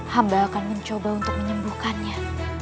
hamba akan mencoba untuk menyembuhkannya